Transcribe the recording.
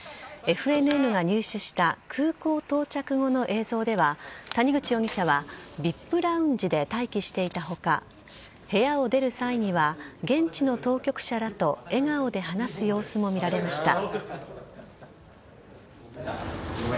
ＦＮＮが入手した空港到着後の映像では谷口容疑者はＶＩＰラウンジで待機していた他部屋を出る際には現地の当局者らと笑顔で話す様子も見られました。